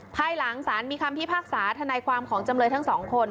ภายหลังสารมีคำพิพากษาธนายความของจำเลยทั้งสองคน